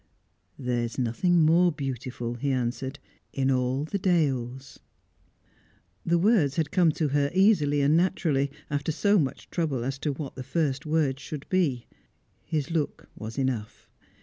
"There is nothing more beautiful," he answered, "in all the dales." The words had come to her easily and naturally, after so much trouble as to what the first words should be. His look was enough.